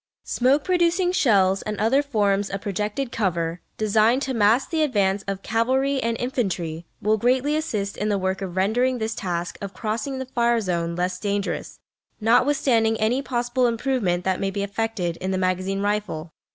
Smoke producing shells and other forms of projected cover, designed to mask the advance of cavalry and infantry, will greatly assist in the work of rendering this task of crossing the fire zone less dangerous, notwithstanding any possible improvement that may be effected in the magazine rifle.